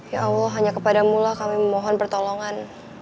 ya allah hanya kepadamulah kami memohon pertolongan